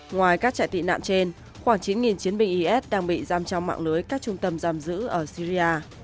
ngoài các trại tị nạn trên khoảng chín chiến binh is đang bị giam trong mạng lưới các trung tâm giam giữ ở syria